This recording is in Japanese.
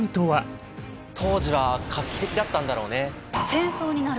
当時は画期的だったんだろうね。